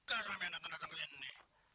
gua aduin sama patimeno